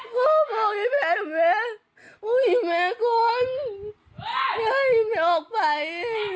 พ่อบอกไอ้แฟนแม่พ่อหินแม่ก้นไม่ให้ไอ้แม่ออกไป